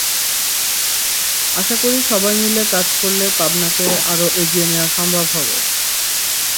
আশা করি সবাই মিলে কাজ করলে পাবনাকে আরও এগিয়ে নেওয়া সম্ভব হবে।